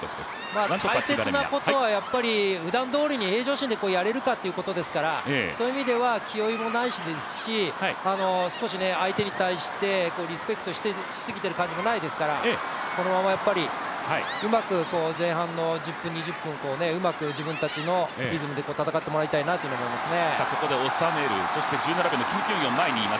大切なことはふだんどおりに平常心でやれるかということですからそういう意味では気負いもないし少し相手に対してリスペクトしすぎている感じもないですからこのまま前半の１０分、２０分、うまく自分たちのリズムで戦ってもらいたいなと思いますね。